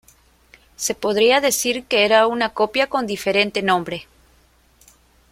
Se podría decir que era una copia con diferente nombre.